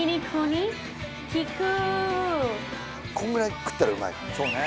こんぐらい食ったらうまいかもそうね